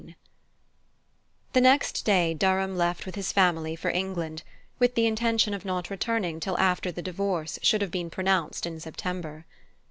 IX The next day Durham left with his family for England, with the intention of not returning till after the divorce should have been pronounced in September.